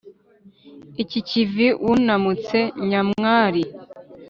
iki kivi wunamutse nyamwari